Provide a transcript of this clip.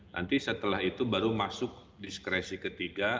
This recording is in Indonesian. nanti setelah itu baru masuk diskresi ketiga